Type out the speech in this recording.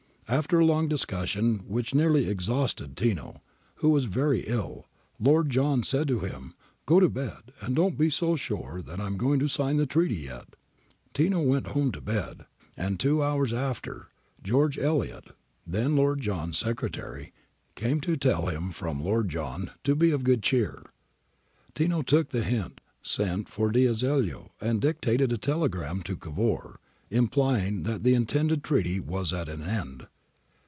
'After a long discussion which nearly exhausted Tino, [Lacaita] who was very ill, Lord John said to him " go to bed, and don't be so sure that I am going to sign the treaty yet ". Tino went home to bed ; and two hours after, George Elliot, then Lord John's secretary, came to him to tell him from Lord John to be of good cheer. Tino took the hint, sent for D'Azeglio and dictated a telegram to Cavour, implying that the intended treaty was at an end.